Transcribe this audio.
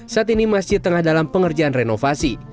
saat ini masjid tengah dalam pengerjaan renovasi